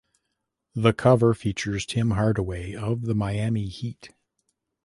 The cover features Tim Hardaway of the Miami Heat.